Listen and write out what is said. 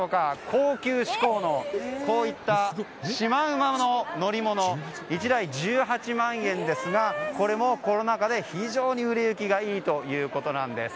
高級志向のこういったシマウマの乗り物１台１８万円ですがこれもコロナ禍で非常に売れ行きがいいということなんです。